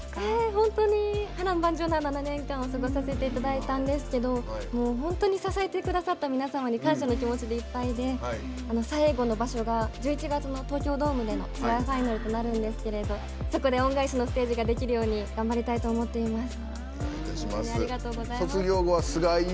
本当に波瀾万丈な７年間を過ごさせていただいたんですけど本当に支えてくださった皆様に感謝の気持ちでいっぱいで最後の場所が１１月の東京ドームでのツアーファイナルとなるんですけどもそこで恩返しのステージができるように頑張りたいと思っています。